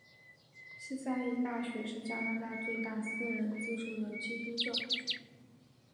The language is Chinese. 西三一大学是加拿大最大的私人资助的基督教大学。